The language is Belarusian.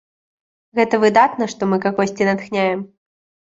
Гэта выдатна, што мы кагосьці натхняем.